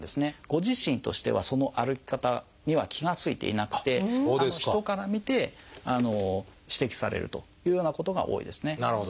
ご自身としてはその歩き方には気が付いていなくて人から見て指摘されるというようなことが多いですね。